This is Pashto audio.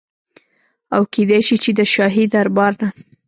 او کيدی شي چي د شاهي دربار نه